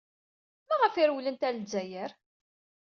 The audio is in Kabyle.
Maɣef ay rewlent ɣer Lezzayer?